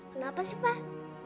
kenapa sih pak